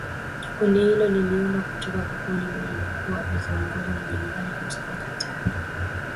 Kundi hilo liliundwa kutoka kwa kundi lililokuwa likiongozwa na Generali Bosco Ntaganda